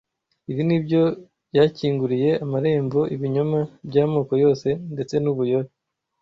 Ibi ni byo byakinguriye amarembo ibinyoma by’amoko yose ndetse n’ubuyobe.